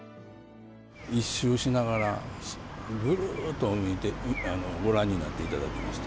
一周しながら、ぐるっとご覧になっていただきました。